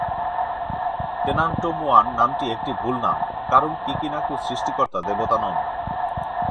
"টেনান্টোমওয়ান" নামটি একটি ভুল নাম, কারণ কিকিনা'কু সৃষ্টিকর্তা দেবতা নন।